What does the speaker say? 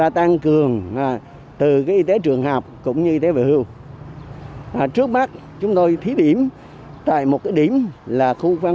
từ y tế trường hợp cũng như y tế vệ hưu trước mắt chúng tôi thí điểm tại một điểm là khu văn